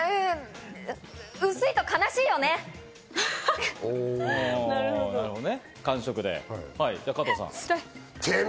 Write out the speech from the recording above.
薄いと悲しいよね。